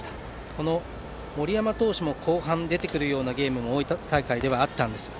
この森山投手も後半、出てくるようなゲームも大分大会ではありました。